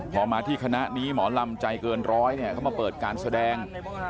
พอมาที่คณะนี้หมอลำใจเกินร้อยเนี่ยเขามาเปิดการแสดง